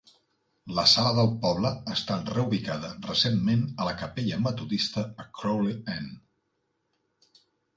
La sala del poble ha estat reubicada recentment a la capella metodista a Crawley End.